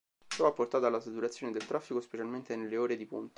Ciò ha portato alla saturazione del traffico, specialmente nelle ore di punta.